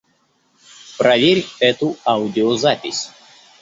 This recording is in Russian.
Проверь эту аудиозапись.